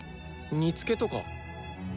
煮つけとか？